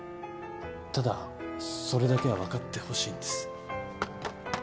ただそれだけは分かってほしいんです。